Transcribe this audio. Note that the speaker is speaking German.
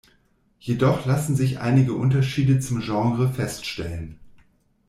Jedoch lassen sich einige Unterschiede zum Genre feststellen.